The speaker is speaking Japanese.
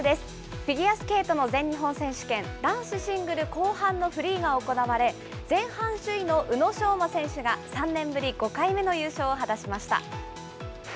フィギュアスケートの全日本選手権、男子シングル後半のフリーが行われ、前半首位の宇野昌磨選手が、３年ぶり５回目の優勝を果たしました。